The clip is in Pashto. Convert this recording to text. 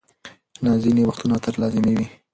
نه، ځینې وختونه عطر لازمي وي.